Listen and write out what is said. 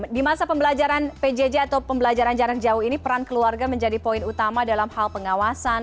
di masa pembelajaran pjj atau pembelajaran jarak jauh ini peran keluarga menjadi poin utama dalam hal pengawasan